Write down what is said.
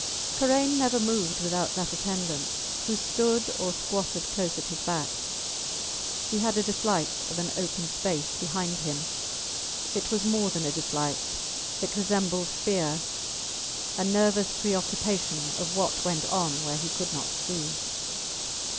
Karain never moved without that attendant, who stood or squatted close at his back. He had a dislike of an open space behind him. It was more than a dislike it resembled fear, a nervous preoccupation of what went on where he could not see.